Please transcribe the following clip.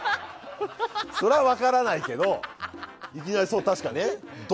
それは分からないけどいきなり、確かにね。